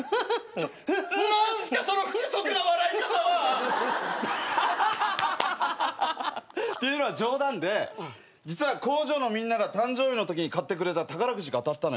ちょっ何すかその不規則な笑い方は！っていうのは冗談で実は工場のみんなが誕生日のときに買ってくれた宝くじが当たったのよ。